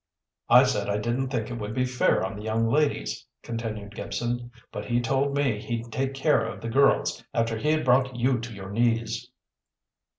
"I said I didn't think it would be fair on the young ladies," continued Gibson. "But he told me he'd take care of the girls after he had brought you to your knees."